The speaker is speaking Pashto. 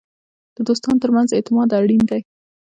د دوستانو ترمنځ اعتماد اړین دی.